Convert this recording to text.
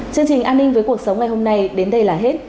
chương trình an ninh với cuộc sống ngày hôm nay đến đây là hết